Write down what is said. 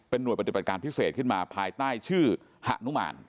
หน่วยปฏิบัติการพิเศษขึ้นมาภายใต้ชื่อหะนุมาน